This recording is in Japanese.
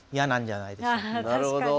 なるほど。